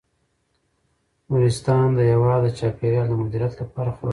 نورستان د هیواد د چاپیریال د مدیریت لپاره خورا مهم دی.